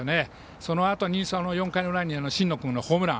そのあとに４回の裏に新野君のホームラン。